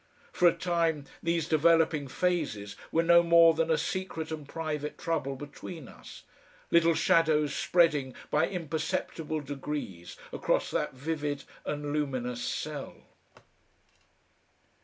For a time these developing phases were no more than a secret and private trouble between us, little shadows spreading by imperceptible degrees across that vivid and luminous cell.